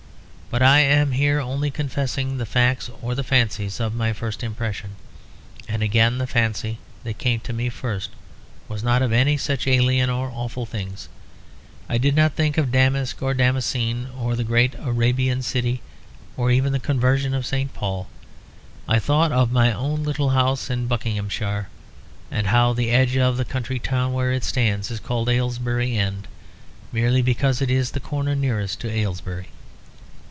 But I am here only confessing the facts or fancies of my first impression; and again the fancy that came to me first was not of any such alien or awful things. I did not think of damask or damascene or the great Arabian city or even the conversion of St. Paul. I thought of my own little house in Buckinghamshire, and how the edge of the country town where it stands is called Aylesbury End, merely because it is the corner nearest to Aylesbury.